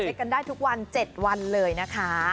กันได้ทุกวัน๗วันเลยนะคะ